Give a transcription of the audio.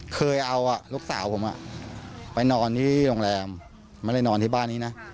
เคยเอาลูกสาวผมไปนอนที่โรงแรมไม่ได้นอนที่บ้านนี้นะ